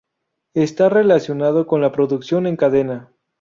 Está relacionado con la producción en cadena.